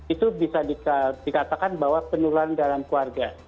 itu bisa dikatakan bahwa penularan dalam keluarga